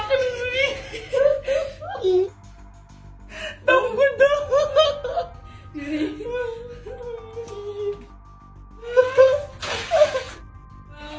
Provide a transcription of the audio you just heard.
เดี๋ยวกูลงเอาสมุลล้างนิด